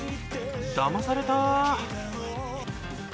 だまされた。